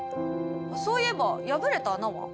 そういえば破れた穴は？